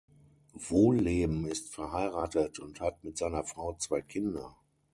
Wohlleben ist verheiratet und hat mit seiner Frau zwei Kinder.